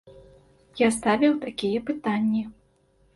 Я ставіў такія пытанні.